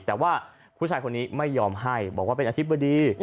แต่ว่าผู้ชายคนนี้ไม่ยอมให้บอกว่าเป็นอธิบดี